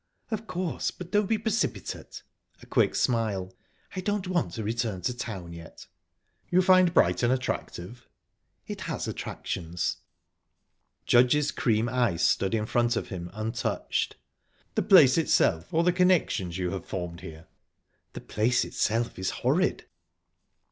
"Of course, but don't be precipitate." A quick smile. "I don't want to return to town yet." "You find Brighton attractive?" "It has attractions." Judge's cream ice stood in front of him untouched. "The place itself, or the connections you have formed here?" "The place itself is horrid."